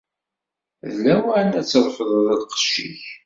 D lawan ad trefdeḍ lqecc-ik.